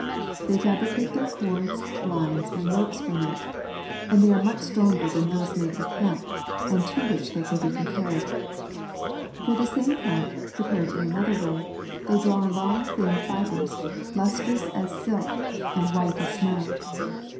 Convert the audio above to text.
They fabricate their cords, lines, and ropes from it, and they are much stronger than those made with hemp, and to which they can be compared. From the same plant, prepared in another way, they draw long thin fibres, lustrous as silk and white as snow.